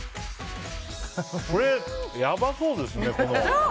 これ、やばそうですね。